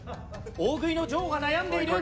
大食いの女王が悩んでいる！